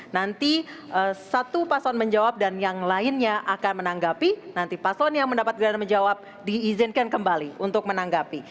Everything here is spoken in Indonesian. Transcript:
nanti satu paslon menjawab dan yang lainnya akan menanggapi nanti paslon yang mendapatkan menjawab diizinkan kembali untuk menanggapi